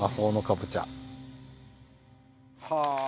はあ！